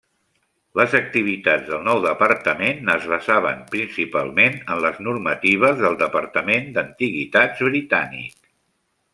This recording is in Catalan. Les activitats del nou departament es basaven principalment en les normatives del Departament d'Antiguitats britànic.